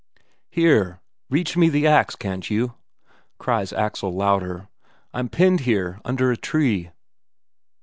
"Here, reach me the ax, can't you?" cries Axel louder. "I'm pinned here under a tree."